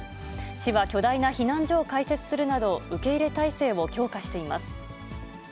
市は巨大な避難所を開設するなど、受け入れ態勢を強化しています。